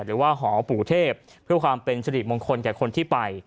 หรือว่าหอปู่เทพเพื่อความเป็นสิริมงคลแก่คนที่ไป